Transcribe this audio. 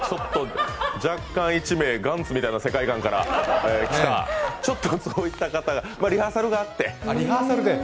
若干１名「ＧＡＮＴＺ」みたいな世界観から来た、ちょっとそういった方がリハーサルがあって。